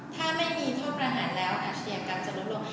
ถ้าไม่มีโทษประหารแล้วอาชญากรรมจะลดลง